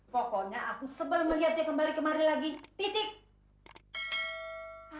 pokoknya aku sebelum melihat dia kembali kemari lagi titik